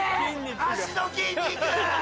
脚の筋肉！